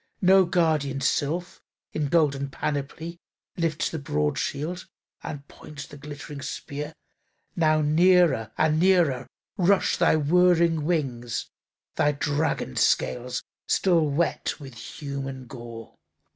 No guardian sylph, in golden panoply, Lifts the broad shield, and points the glittering spear. Now near and nearer rush thy whirring wings, Thy dragon scales still wet with human gore.